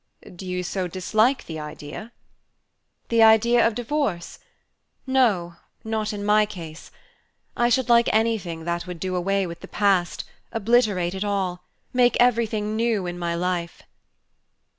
"Do you so dislike the idea?" "The idea of divorce? No not in my case. I should like anything that would do away with the past obliterate it all make everything new in my life!"